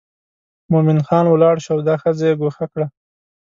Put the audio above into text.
مومن خان ولاړ شو او دا ښځه یې ګوښه کړه.